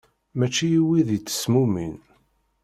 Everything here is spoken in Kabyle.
Mačči i wid yettesmumin.